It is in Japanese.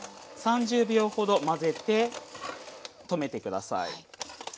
３０秒ほど混ぜて止めてください。